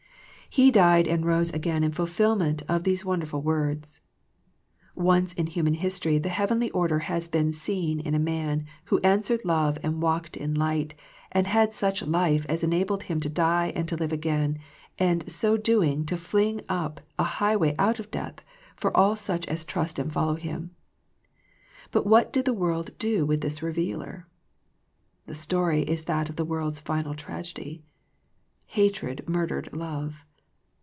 He died and rose again in fulfillment of these wonderful words. Once in human history the heavenly order has been seen in a Man who answered love and walked in light, and had such life as enabled Him to die and to live again, and so doing to fling up a highway out of death for all such as trust and follow Him. But what did the world do with this Revealer ? The story is that of the world's final tragedy. Hatred murdered love.